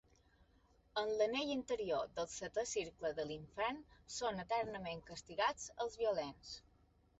En l'anell interior del Setè Cercle de l'Infern, són eternament castigats els violents.